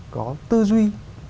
có tư duy